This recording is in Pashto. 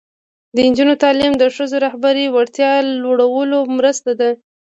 د نجونو تعلیم د ښځو رهبري وړتیا لوړولو مرسته ده.